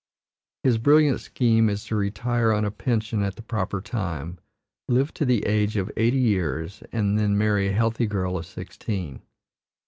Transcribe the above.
His brilliant scheme is to retire on a pension at the proper time, live to the age of eighty years, and then marry a healthy girl of sixteen.